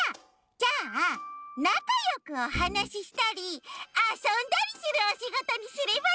じゃあなかよくおはなししたりあそんだりするおしごとにすればいいんだ！